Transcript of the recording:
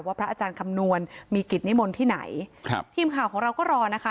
พระอาจารย์คำนวณมีกิจนิมนต์ที่ไหนครับทีมข่าวของเราก็รอนะคะ